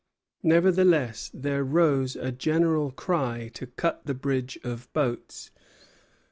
Nevertheless there rose a general cry to cut the bridge of boats.